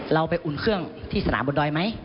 เราไปอุ่นเครื่องที่สนามบนดอยไหม